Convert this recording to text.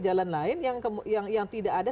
jalan lain yang tidak ada